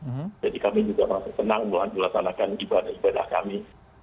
jadi kami juga masih senang melakukan ibadah ibadah kami